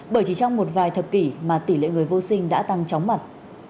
bởi chỉ trong một vài thập kỷ mà tỷ lệ người vô sinh đã tăng chóng mặt